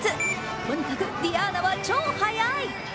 とにかくディアーナは超速い。